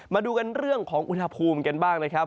มาดูกันเรื่องของอุณหภูมิกันบ้างนะครับ